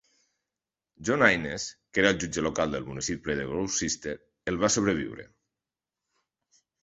John Innes, que era el jutge local del municipi de Gloucester, el va sobreviure.